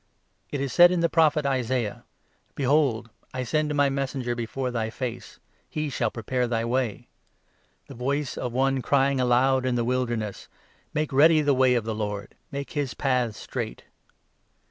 It is said in the Prophet Isaiah — 2 The Baptist and his ' Behold ! I send my Messenger before thy face ; Message. j_je shall prepare thy way.' 'The voice of one crying aloud in the Wilderness : 3 " Make ready the way of the Lord, Make his paths straight.'"